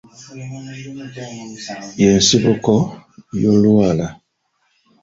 Ye nsibuko y'olwala.